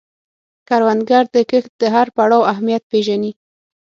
کروندګر د کښت د هر پړاو اهمیت پېژني